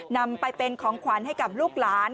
นำไปเป็นของขวัญให้กับลูกหลาน